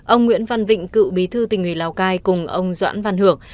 ông nguyễn văn vịnh cựu bí thư tỉnh ủy lào cai cùng ông doãn văn hưởng